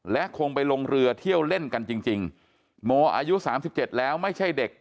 และคงไปลงเรือเที่ยวเล่นกันจริงโมอายุ๓๗แล้วไม่ใช่เด็ก